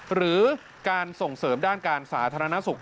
หรือการส่งเสริมด้านการสาธารณสุข